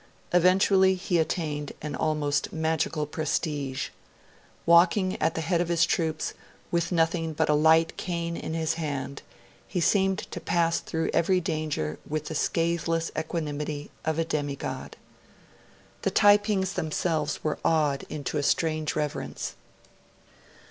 Eventually he attained an almost magical prestige. Walking at the head of his troops with nothing but a light cane in his hand, he seemed to pass through every danger with the scatheless equanimity of a demi god. The Taipings themselves were awed into a strange reverence.